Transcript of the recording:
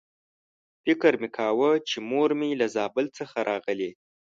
فکر مې کاوه چې مور مې له زابل څخه راغلې.